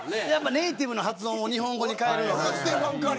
ネーティブの発音を日本語に変えるのがね。